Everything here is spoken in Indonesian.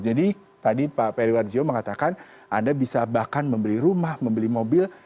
jadi tadi pak periwan djo mengatakan anda bisa bahkan membeli rumah membeli mobil